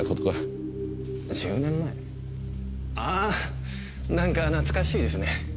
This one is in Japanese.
ああなんか懐かしいですね。